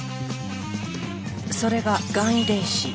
それががん遺伝子。